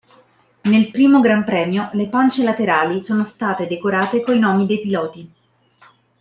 Nel primo gran premio le pance laterali sono state decorate coi nomi dei piloti.